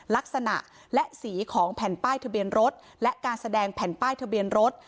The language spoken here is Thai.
ลักษณะและสีของแผ่นป้ายทะเบียนรถและการแสดงแผ่นป้ายทะเบียนรถ